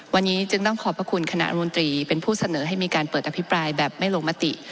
วันนี้จึงต้องขอบพระคุณคณะรัฐมนตรีเป็นผู้เสนอให้มีการเปิดอภิปรายแบบไม่ลงมติ